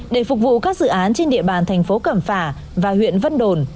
để phục vụ các dự án trên địa bàn thành phố cẩm phả